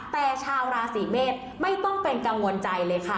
แต่ชาวราศีเมษไม่ต้องเป็นกังวลใจเลยค่ะ